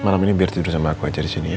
malam ini biar tidur sama aku aja disini ya